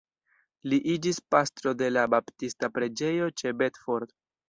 Li iĝis pastro de la baptista preĝejo ĉe Bedford.